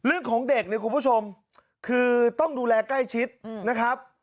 เรื่องของเด็กเนี่ยคุณผู้ชมคือต้องดูแลใกล้ชิดนะครับ